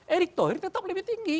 erick thohir tetap lebih tinggi